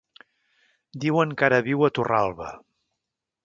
Diuen que ara viu a Torralba.